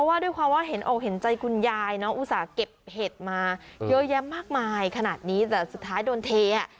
ว่าด้วยความว่าเห็นอกเห็นใจคุณยายเนาะอุตส่าห์เก็บเห็ดมาเยอะแยะมากมายขนาดนี้แต่สุดท้ายโดนเทอ่ะ